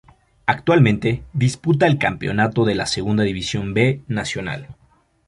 Actualmente disputa el campeonato de Segunda División B Nacional.